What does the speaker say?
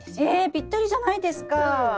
ぴったりじゃないですか！